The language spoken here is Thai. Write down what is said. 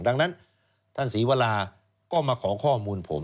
ดังนั้นท่านศรีวราก็มาขอข้อมูลผม